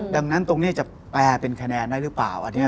ดังนั้นตรงนี้จะแปลเป็นคะแนนได้หรือเปล่า